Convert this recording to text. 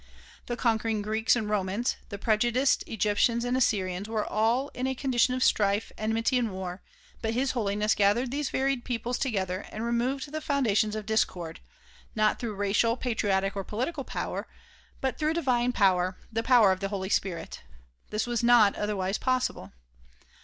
The conquering Greeks and Romans, the prejudiced Egyptians and Assyrians were all in a condition of strife, enmity and war but His Holiness gathered these varied peoples together and removed the foundations of dis cord; not through racial, patriotic or political power but through divine power, the power of the Holy Spirit. This was not other wise possible.